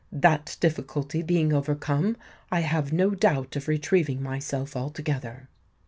That difficulty being overcome, I have no doubt of retrieving myself altogether.